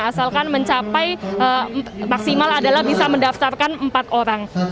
asalkan mencapai maksimal adalah bisa mendaftarkan empat orang